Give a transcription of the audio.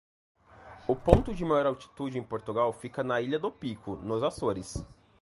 O ponto de maior altitude em Portugal fica na ilha do Pico, nos Açores.